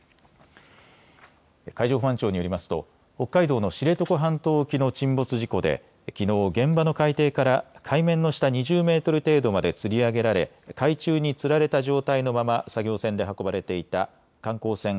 海上保安庁によりますと北海道の知床半島沖の沈没事故できのう現場の海底から海面の下２０メートル程度までつり上げられ海中につられた状態のまま作業船で運ばれていた観光船